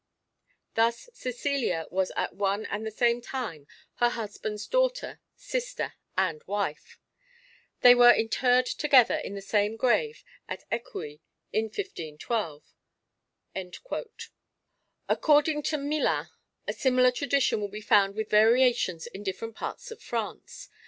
Thus Cecilia was at one and the same time her husband's daughter, sister and wife. They were interred together in the same grave at Écouis in 1512." According to Millin, a similar tradition will be found with variations in different parts of France.